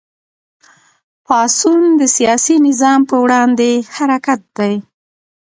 پاڅون د سیاسي نظام په وړاندې حرکت دی.